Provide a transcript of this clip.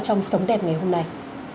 trong sống đẹp ngày hôm nay